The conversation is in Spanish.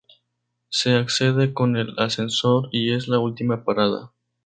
Se accede con el ascensor y es la última parada.